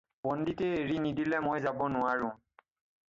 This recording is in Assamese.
পণ্ডিতে এৰি নিদিলে মই যাব নোৱাৰোঁ।